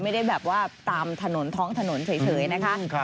ไม่ได้แบบว่าตามถนนท้องถนนเฉยนะคะ